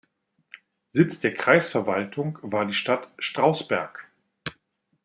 Sitz der Kreisverwaltung war die Stadt Strausberg.